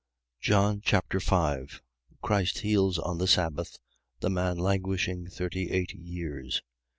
John Chapter 5 Christ heals on the sabbath the man languishing thirty eight years.